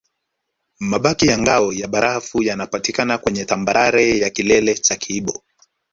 Mabaki ya ngao ya barafu yanapatikana kwenye tambarare ya kilele cha kibo